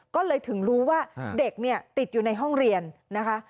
ก็เลยถึงรู้ว่าเด็กเนี่ยติดอยู่ในห้องเรียนนะคะ